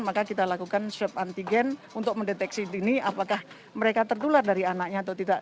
maka kita lakukan swab antigen untuk mendeteksi dini apakah mereka tertular dari anaknya atau tidak